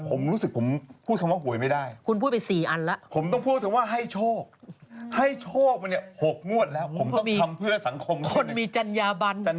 หนูเรียกได้หนูเรียกได้พี่หนูเรียกได้ที่เป็นเฮียหนูได้